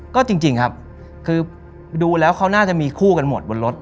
ก็จริงครับคือดูแล้วเขาน่าจะมีคู่กันหมดบนรถ